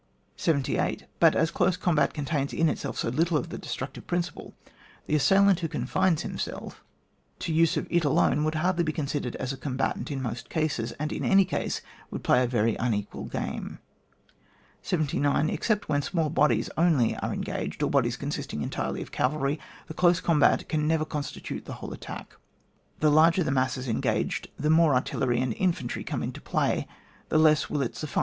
78. But as close combat contains in itself so little of the destructive principle, the assailant who confines himself to the use of it alone would hardly be considered as a combatant in most cases, and in any case would play a very unequal g^me. 79. Except when small bodies only are engaged, or bodies consisting entirely of cavalry, the close combat can never con stitute the whole attack. The larger the masses engaged, the more artillery and infantry come into play, the less will it Bu£B.